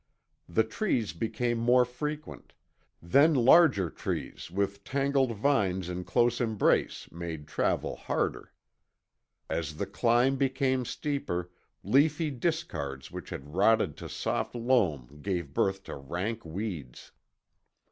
The trees became more frequent; then larger trees with tangled vines in close embrace made travel harder. As the climb became steeper, leafy discards which had rotted to soft loam gave birth to rank weeds.